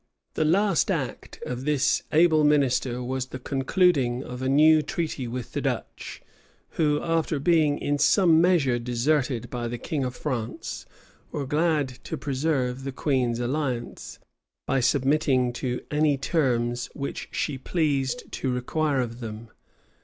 The last act of this able minister was the concluding of a new treaty with the Dutch; who, after being in some measure deserted by the king of France, were glad to preserve the queen's alliance, by submitting to any terms which she pleased to require of them.